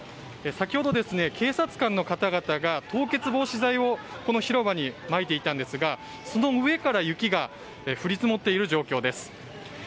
先ほど、警察官の方々が凍結防止剤を広場にまいていたんですがその上から雪が降り積もっている状況です。